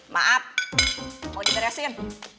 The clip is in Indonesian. maaf mau diberesin